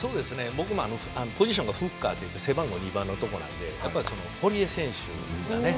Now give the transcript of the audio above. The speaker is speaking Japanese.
僕もポジションがフッカーといって背番号２番のとこなんでやっぱり堀江選手がね